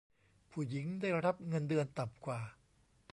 ผู้หญิงได้รับเงินเดือนต่ำกว่า